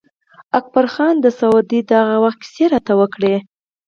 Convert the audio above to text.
اکبر خان د سعودي د هغه وخت کیسې راته وکړې.